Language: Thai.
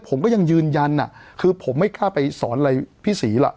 ผมก็ยังยืนยันคือผมไม่กล้าไปสอนอะไรพี่ศรีหรอก